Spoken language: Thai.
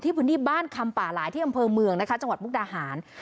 พื้นที่บ้านคำป่าหลายที่อำเภอเมืองนะคะจังหวัดมุกดาหาร